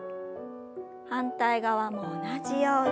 反対側も同じように。